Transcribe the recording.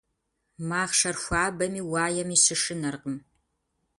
Махъшэр хуабэми уаеми щышынэркъым.